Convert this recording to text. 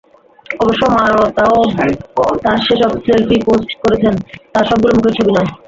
অবশ্য মারতাও তাঁর যেসব সেলফি পোস্ট করেছেন, তার সবগুলো মুখের ছবি নয়।